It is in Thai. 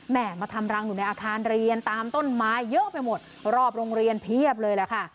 มาทำรังอยู่ในอาคารเรียนตามต้นไม้เยอะไปหมดรอบโรงเรียนเพียบเลยแหละค่ะ